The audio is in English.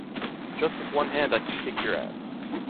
Just with one hand I can kick your ass.